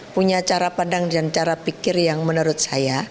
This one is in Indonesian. punya cara pandang dan cara pikir yang menurut saya